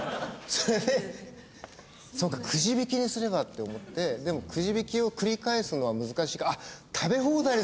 それでそうかくじ引きにすれば！って思ってでもくじ引きを繰り返すのは難しいから食べ放題にすればいいんだ！